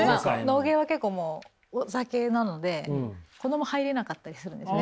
野毛は結構お酒なので子ども入れなかったりするんですね。